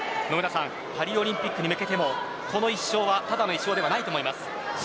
パリオリンピックに向けてもこの１勝はただの１勝ではないと思います。